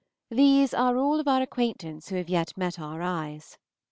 These are all of our acquaintance who have yet met our eyes.